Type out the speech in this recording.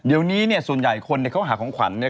เดี๋ยวนี้ส่วนใหญ่คนเขาหาของขวัญ